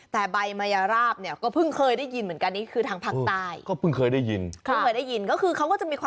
แต่ใบมัยราบเนี่ยก็เพิ่งเคยได้ยินเหมือนกันนี่คือทางภาคใต้